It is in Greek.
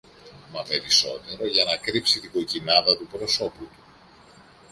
μα περισσότερο για να κρύψει την κοκκινάδα του προσώπου του.